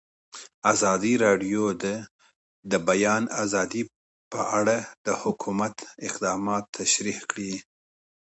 ازادي راډیو د د بیان آزادي په اړه د حکومت اقدامات تشریح کړي.